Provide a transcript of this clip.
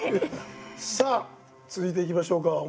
さあ続いていきましょうか。